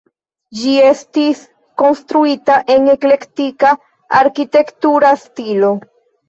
Ĝi estis konstruita en eklektika arkitektura stilo.